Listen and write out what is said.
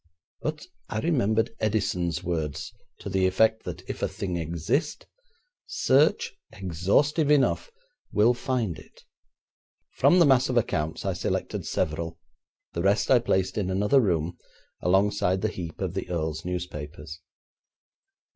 But I remembered Edison's words to the effect that if a thing exist, search, exhaustive enough, will find it. From the mass of accounts I selected several; the rest I placed in another room, alongside the heap of the earl's newspapers.